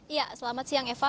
iya selamat siang eva